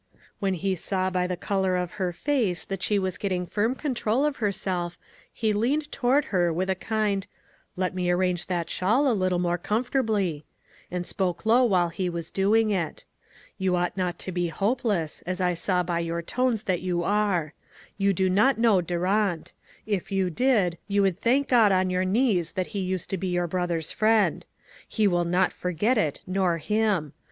When he saw by the color in her face that she was getting firm control of her self, he leaned toward her with a kind —" Let me arrange that shawl a little more comfortably," and spoke low while he was doing it. " You ought not to be hopeless, as I saw by your tones that you are. You do not know Durant ; if you did, you would thank God on your knees that he used to be your brother's friend. He will not forget it, nor him.